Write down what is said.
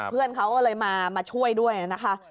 เพื่อนเขาก็เลยมาช่วยด้วยนะคะ